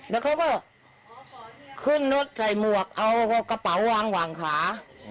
แล้วเค้าก็ขึ้นนดใส่หมวกเอากระเป๋าวางขา